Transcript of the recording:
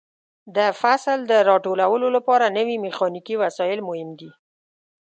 د فصل د راټولولو لپاره نوې میخانیکي وسایل مهم دي.